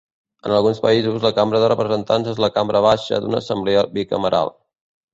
En alguns països, la Cambra de Representants és la cambra baixa d'una assemblea bicameral.